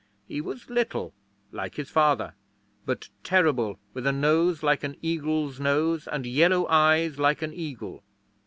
He was little, like his father, but terrible, with a nose like an eagle's nose and yellow eyes like an eagle.